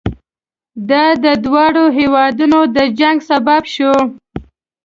دا د دواړو هېوادونو د جنګ سبب شو.